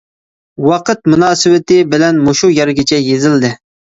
ۋاقىت مۇناسىۋىتى بىلەن مۇشۇ يەرگىچە يېزىلدى.